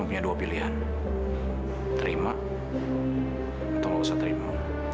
sampai jumpa di video selanjutnya